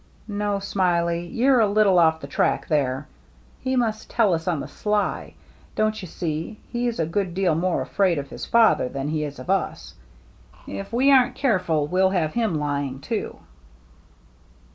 "No, Smiley, you're a little off the track there. He must tell us on the sly. Don't you see, he's a good deal more afraid of his father than he is of us. If we aren't careful, we'll have him lying too."